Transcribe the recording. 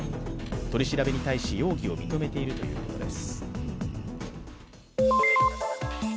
取り調べに対し容疑を認めているということです。